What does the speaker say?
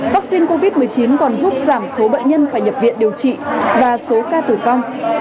vaccine covid một mươi chín còn giúp giảm số bệnh nhân phải nhập viện điều trị và số ca tử vong